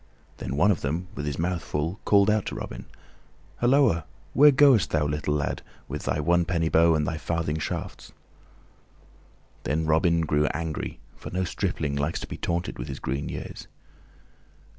Then one of them, with his mouth full, called out to Robin, "Hulloa, where goest thou, little lad, with thy one penny bow and thy farthing shafts?" Then Robin grew angry, for no stripling likes to be taunted with his green years.